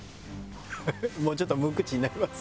もうちょっと無口になります。